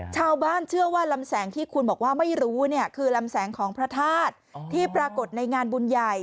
ชาวบ้านเชื่อว่าลำแสงที่คุณบอกว่าไม่รู้เนี่ยคือลำแสงของพระธาตุที่ปรากฏในงานบุญใหญ่